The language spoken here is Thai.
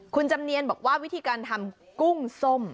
คุณจำเนียนบอกว่าวิธีการทำกุ้งส้ม